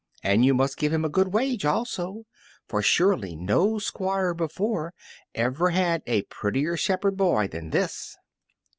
And you must give him a good wage, also, for surely no Squire before ever had a prettier shepherd boy than this."